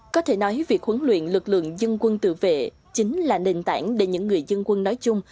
có thể nói việc huấn luyện lực lượng dân quân tự vệ chính là nền tảng để những người dân quân nói chung